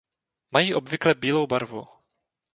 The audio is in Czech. Mají obvykle bílou barvu.